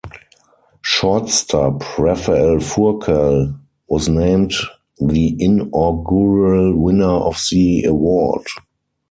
Shortstop Rafael Furcal was named the inaugural winner of the award.